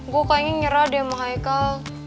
gue kayaknya nyerah deh sama michael